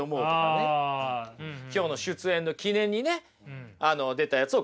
今日の出演の記念にね出たやつを貼っとく。